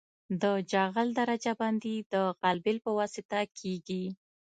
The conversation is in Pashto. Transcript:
د جغل درجه بندي د غلبیل په واسطه کیږي